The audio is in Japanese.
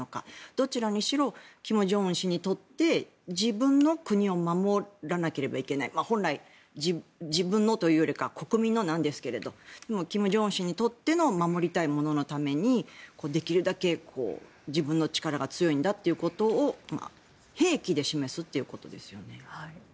どちらにしろ、金正恩氏にとって自分の国を守らなければいけない本来、自分のというよりかは国民のなんですが金正恩氏にとっての守りたいもののためにできるだけ自分の力が強いんだということを兵器で示すということですよね。